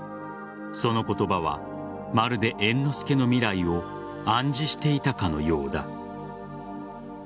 その言葉はまるで猿之助の未来を暗示していたかのようだ。